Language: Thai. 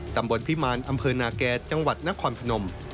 ตำบลพิมารอำเภอนาแก่จังหวัดนครพนม